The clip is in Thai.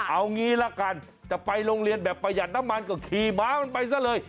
เอางี้ละกันจะไปโรงเรียนแบบประหยัดน้ำมันก็ขี่ม้ามันไปซะเลย